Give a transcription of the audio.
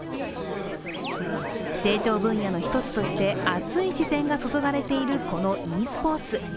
成長分野の１つとして熱い視線が注がれている、このｅスポーツ。